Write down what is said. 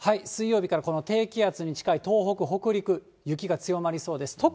水曜日からこの低気圧に近い東北、北陸、雪が強まりそうです。